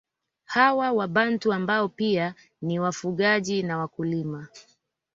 Hawa wabantu ambao pia ni wafugaji na wakulima